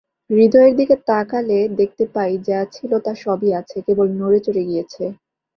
হৃদয়ের দিকে তাকালে দেখতে পাই যা ছিল তা সবই আছে, কেবল নড়ে-চড়ে গিয়েছে।